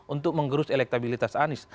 untuk menggerus elektabilitas anies